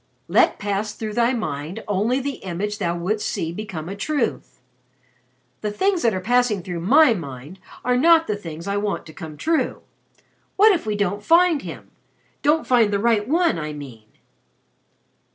"'Let pass through thy mind only the image thou wouldst see become a truth.' The things that are passing through my mind are not the things I want to come true. What if we don't find him don't find the right one, I mean!"